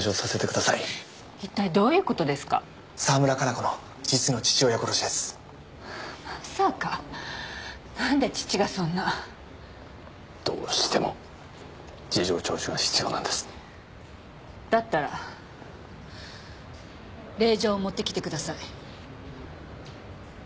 まさかなんで父がそんなどうしても事情聴取が必要なんですだったら令状を持ってきてください